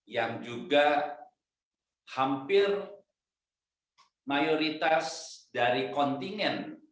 yang juga hampir mayoritas dari kontingen